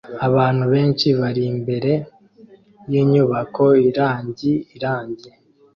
Abantu benshi bari imbere yinyubako irangi irangi